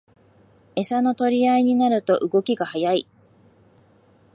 エサの取り合いになると動きが速い